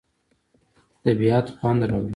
طبیعت خوند راوړي.